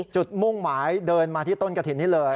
มุ่งหมายเดินมาที่ต้นกระถิ่นนี้เลย